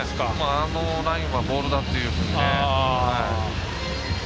あのラインはボールだというふうに。